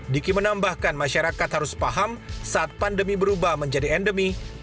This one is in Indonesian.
diki menambahkan masyarakat harus paham saat pandemi berubah menjadi endemi